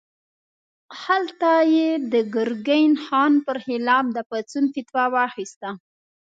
هلته یې د ګرګین خان پر خلاف د پاڅون فتوا واخیسته.